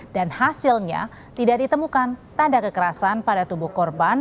dan hasilnya tidak ditemukan tanda kekerasan pada tubuh korban